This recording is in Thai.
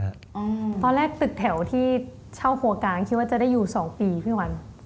ตอนแรกตึกแถวที่เช่าครัวกลางคิดว่าจะได้อยู่สองปีพี่วัน